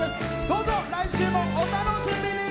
どうぞ来週もお楽しみに！